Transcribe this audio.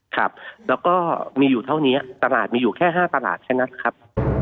ครับแล้วก็มีอยู่เท่านี้ตลาดมีอยู่แค่๕ตลาดแค่นั้นครับ